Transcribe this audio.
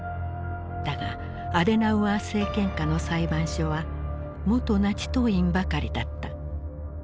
だがアデナウアー政権下の裁判所は元ナチ党員ばかりだった。